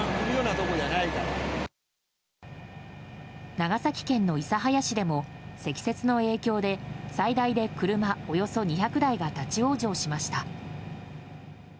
長崎県の諫早市でも積雪の影響で最大で車およそ２００台が立ち往生しました。